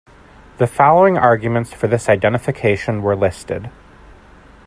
The following arguments for this identification were listed.